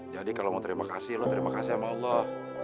jadi kalo mau terima kasih lo terima kasih sama allah